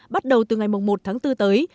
bắt đầu từ ngày một tháng bốn tới